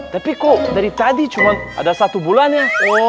tapi kok dari tadi cuma ada satu bulan ya